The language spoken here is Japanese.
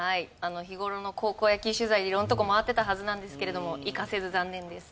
日頃の高校野球取材で色んなとこ回ってたはずなんですけれども生かせず残念です。